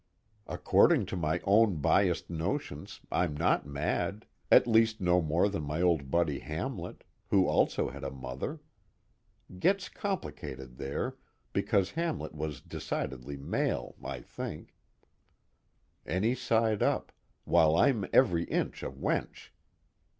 According to my own biased notions, I'm not mad, at least no more than my old buddy Hamlet, who also had a mother. Gets complicated there, because Hamlet was decidedly male, I think, any side up, while I'm every inch a wench.